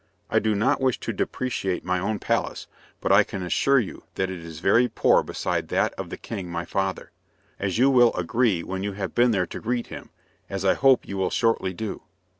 I do not wish to depreciate my own palace, but I can assure you that it is very poor beside that of the King my father, as you will agree when you have been there to greet him, as I hope you will shortly do."